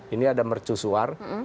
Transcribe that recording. ini ada mercusuar